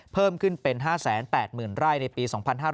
เพิ่มขึ้นเป็น๕๘๐๐๐ไร่ในปี๒๕๕๙